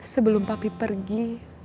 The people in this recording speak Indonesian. sebelum papi pergi